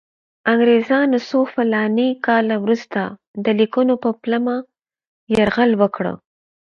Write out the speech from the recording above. انګریزانو څو فلاني کاله وروسته د لیکونو په پلمه یرغل وکړ.